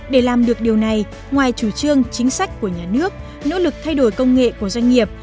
để làm được điều này ngoài chủ trương chính sách của nhà nước nỗ lực thay đổi công nghệ của doanh nghiệp